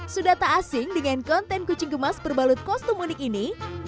sudah tak asing dengan konten kucing gemas berbalut kostum unik ini